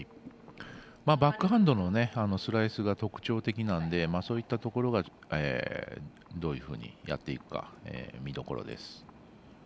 バックハンドのスライスが特徴的なのでそういったところがどういうふうにやっていくか見どころです。